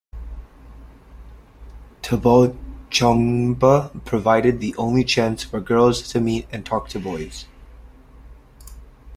Thabal chongba provided the only chance for girls to meet and talk to boys.